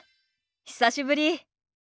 久しぶり。